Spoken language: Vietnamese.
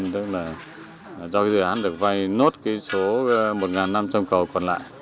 tức là cho dự án được vay nốt số một năm trăm linh cầu còn lại